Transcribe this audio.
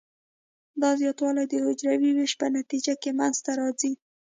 دا زیاتوالی د حجروي ویش په نتیجه کې منځ ته راځي.